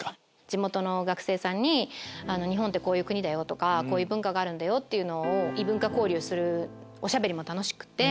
地元の学生さんに日本ってこういう国だよとかこういう文化があるんだよって異文化交流するおしゃべりも楽しくて。